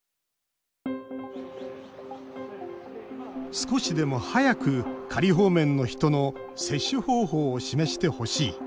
少しでも早く仮放免の人の接種方法を示してほしい。